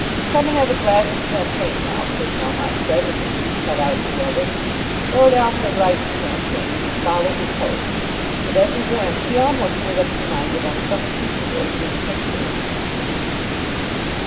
"Come and have a glass of champagne, Alfred," Melmotte said, as the two cut out together. Lord Alfred liked champagne, and followed his host; but as he went he almost made up his mind that on some future day he would kick the man.